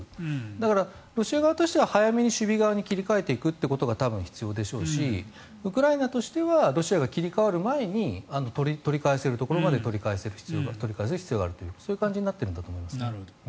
だからロシア側としては早めに守備側に切り替えていくことが必要でしょうしウクライナとしてはロシアが切り替わる前に取り返せるところまで取り返す必要があるそういう感じになっているんだと思います。